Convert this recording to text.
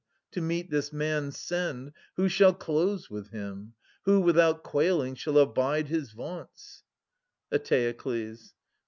To meet this man send — who shall close with him ? Who, without quailing, shall abide his vaunts ? Eteoklbs.